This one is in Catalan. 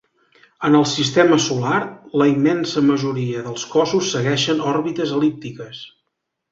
En el sistema solar la immensa majoria dels cossos segueixen òrbites el·líptiques.